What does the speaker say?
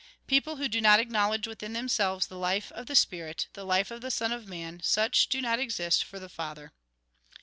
People who do not acknowledge within themselves the life of the spirit, the life of the Son of Man, such do not exist for the Father.